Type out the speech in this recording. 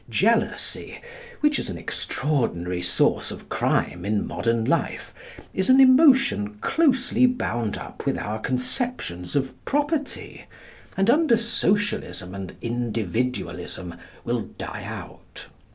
Jealousy, which is an extraordinary source of crime in modern life, is an emotion closely bound up with our conceptions of property, and under Socialism and Individualism will die out.